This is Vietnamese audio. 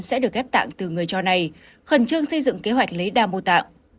sẽ được ghép tạng từ người cho này khẩn trương xây dựng kế hoạch lấy đa mô tạng